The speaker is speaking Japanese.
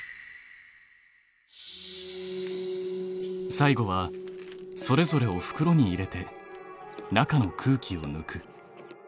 最後はそれぞれをふくろに入れて中の空気をぬく。